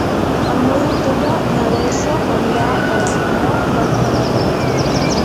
El nou d'octubre na Dolça anirà a Llocnou d'en Fenollet.